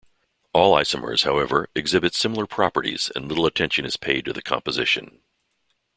All isomers, however, exhibit similar properties and little attention is paid to the composition.